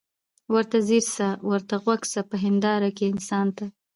ورته ځیر سه ورته غوږ سه په هینداره کي انسان ته